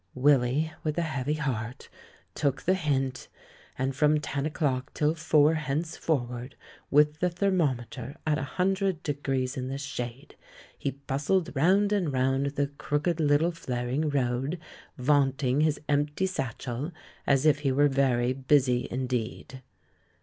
Willy, with a heavy heart, took the hint ; and from ten o'clock till four henceforward, with the thermometer at a hundred degrees in the shade, he bustled round and round the crooked little flaring road, vaunt ing his empty satchel as if he were very busy in deed.